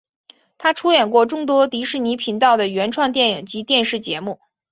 他出演过众多迪士尼频道的原创电影及电视节目。